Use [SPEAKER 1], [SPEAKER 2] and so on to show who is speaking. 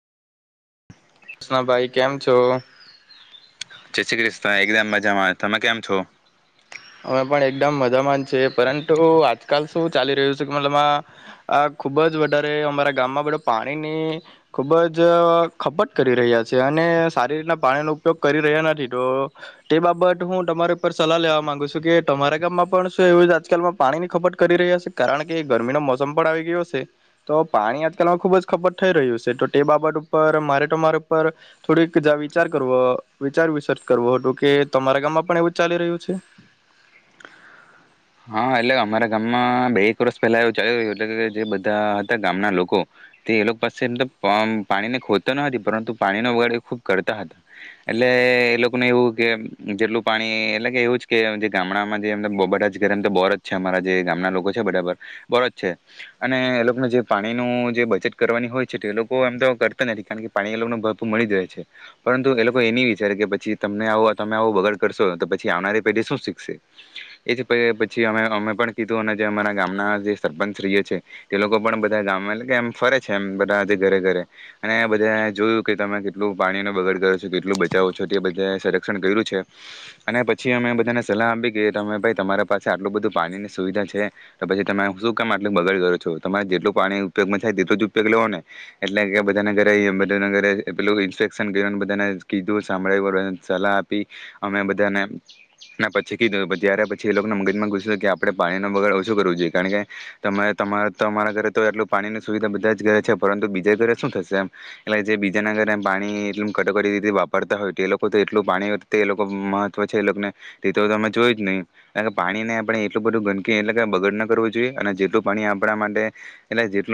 [SPEAKER 1] કૃષનાભાઈ કેમ છો?
[SPEAKER 2] જય શ્રી ક્રિષ્ના એકદમ મજામાં તમે કેમ છો?
[SPEAKER 1] અમે પણ એકદમ મજામાં છેએ પરંતુ આજકાલ શું ચાલી રહ્યું છે કે મતલબમાં આ ખુબ જ વધારે અમારા ગામમાં બધું પાણીની ખુબ જ ખપત કરી રહ્યા છે અને સારી રીતના પાણીનો ઉપયોગ કરી રહ્યા નથી તો તે બાબત હું તમારી ઉપર સલાહ લેવા માંગુ છું. કે તમારા ગામમાં પણ શ એવું આજકાલમાં પાણી ની ખપટ કરી રહ્યા છે કારણ કે ગરમીનો મોસમ પણ આવી ગયો છે તો પાણી આજકાલમાં ખુબ જ ખપટ થઈ રહ્યું છે તો તે બાબત ઉપર મારે તમારા ઉપર થોડીક જા વિચાર કરવો વિચાર વિસર્ચ કરવો હતો કે તમારા ગામમાં પણ એવું ચાલી રહ્યું છે.
[SPEAKER 2] હા એટલે અમારા ગામમાં બે એક વર્ષ પહેલા એવું ચાલી રહ્યું એટલે કે જે બધા હતા ગામના લોકો તે એ લોકો પાસે એમ તો પાણીને ખોદતા ન હતી પરંતુ પાણીનો વગાડ એ ખૂબ કરતા હતા એટલે એ લોકોને એવું કે જેટલું પાણી એટલે કે એવું જ કે જે ગામડામાં જે એમ બબ મ તો બોરજ છે અમારા જે ગામના લોકો છે બરાબર બોરજ છે અને એ લોકોને જે પાણીનું જે બચત કરવાની હોય છે એ લોકો એમ તો કરતા નથી કારણ કે પાણી એ લોકો ભરપર મળી જ રહે છે પરંતુ એ લોકો એ ન વિચારે કે પછી તમને આવ તમે આવો બગાડ કરશો તો પછી આવનારી પેઢી શું શીખશે એ પછ અમે પણ કીધું અને જે અમારા ગામના જે સરપંચશ્રીએ છે તે લોકો પણ બધા ગામ કે એમ ફરે છે એમ બધા આજે ઘરે ઘરે અને બધા જોયું કે તમે કેટલું પાણીને બગડ કરો છો કેટલું બચાવો છો તે બધા સંરક્ષણ કર્યું છે અને પછી અમે બધાને સલાહ આપી કે તમે ભાઈ તમારા પા આટલું બધું પાણીની સુવિધા છે તો પછી તમે શું કામ આટલું બગડ કરો છો તમારે જેટલું પાણી ઉપયોગમાં થાય તેટલો જ ઉપયોગ લેવો ને એટલે કે બધાને ઘરેધ ઘરે પેલું ઇન્સ્પેક્શન કર બધાને કીધું સાંભળી સલાહ આપી અમે બધાને પછી કીધું પછી. એ લોકોને મગજમાં ઘુસી કે આપણે પાણીનો બગડ ઓછું કરવું જોઈએ કારણ કે તમારે તમારે તો તમારા ઘરે તો એટલું પાણીની સુવિધા બધા જ ઘરે છે પરંતુ બીજા ઘરે શું થશે એમ એટલે જે બીજાના ઘરે પાણી એટલ કટોકટી રીતે વાપરતા હોય તો એ લોકો તો એટલું પાણી એ લોકો મહત્ત્વ છે એ લોકોને તે તો તમે જોયું જ નહીં. કાર કે પાણીને આપણે એટલું બધું ગંદકી એટલે કે બગડ ના કરવું જોઈએ અને જેટલું પાણી આપણા માટે એટલે જેટલું